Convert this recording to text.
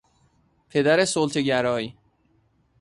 پدر سلطهگرای